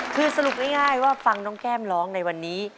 คือสรุปง่ายว่าฟังน้องแก้มร้องในวันนี้